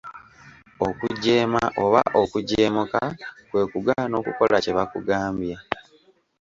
Okujeema oba okujeemuka kwe kugaana okukola kye bakugambye.